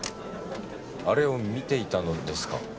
あれを見ていたのですか？